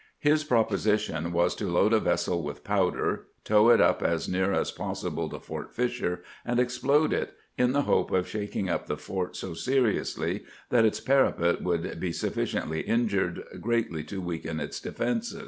His proposition was to load a vessel with powder, tow it up as near as possible to Fort Fisher, and explode it, in the hope of shaking up the fort so seriously that its parapet would be sufficiently injured greatly to weaken its defense.